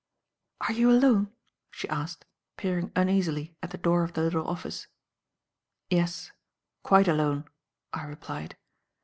"Are you alone?" she asked, peering uneasily at the door of the little office. "Yes. Quite alone," I replied.